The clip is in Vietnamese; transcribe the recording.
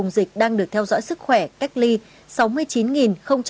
từ vùng dịch đang được theo dõi sức khỏe cách ly sáu mươi chín bốn mươi năm người